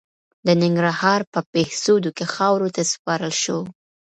د ننګرهار په بهسودو کې خاورو ته وسپارل شو.